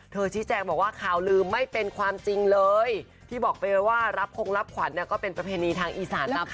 ชี้แจงบอกว่าข่าวลืมไม่เป็นความจริงเลยที่บอกไปว่ารับคงรับขวัญก็เป็นประเพณีทางอีสานตามไป